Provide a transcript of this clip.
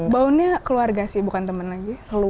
bondnya keluarga sih bukan teman lagi